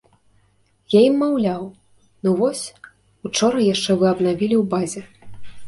Я ім, маўляў, ну вось учора яшчэ вы абнавілі ў базе.